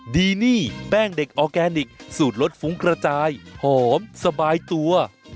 ดีนี่แป้งเด็กออร์แกนิคสูตรรสฟุ้งกระจายหอมสบายตัว